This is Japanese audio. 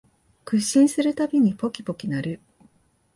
屈伸するたびにポキポキ鳴る